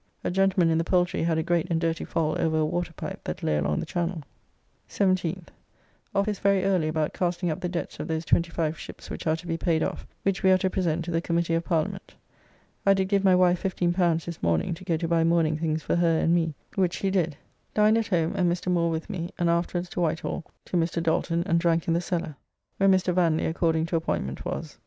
A gentleman in the Poultry had a great and dirty fall over a waterpipe that lay along the channel. 17th. Office very early about casting up the debts of those twenty five ships which are to be paid off, which we are to present to the Committee of Parliament. I did give my wife L15 this morning to go to buy mourning things for her and me, which she did. Dined at home and Mr. Moore with me, and afterwards to Whitehall to Mr. Dalton and drank in the Cellar, where Mr. Vanly according to appointment was.